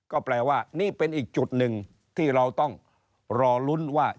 ก็แปลว่านี่เป็นอีกจุดหนึ่งที่เราต้องรอลุ้นว่า